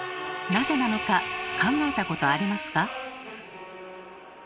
なぜなのか考えたことありますか？